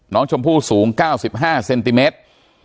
น้องชมพู่สูง๙๕เซนติเมตร